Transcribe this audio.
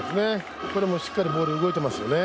ここもしっかりボール、動いていますよね。